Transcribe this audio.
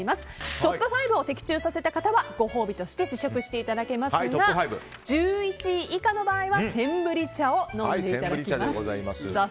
トップ５を的中させた方はご褒美として試食していただけますが１１位以下の場合はセンブリ茶を飲んでいただきます。